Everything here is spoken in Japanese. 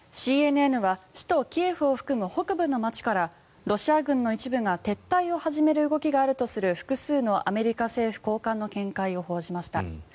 ＣＮＮは首都キエフを含む北部の街からロシア軍の一部が撤退を始める動きがあるとする複数のアメリカ政府高官の見解を報じました。